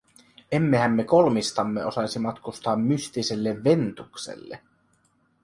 Emmehän me kolmistamme osaisi matkustaa mystiselle Ventukselle.